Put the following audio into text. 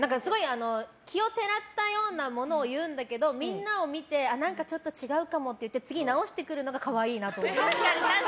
奇をてらったようなものを言うんだけどみんなを見て、ちょっと何か違うかもって言って次、直してくるのが可愛いなと思いました。